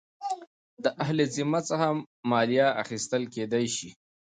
د اهل الذمه څخه مالیه اخیستل کېدلاى سي.